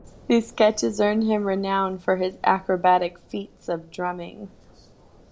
These sketches earned him renown for his acrobatic feats of drumming.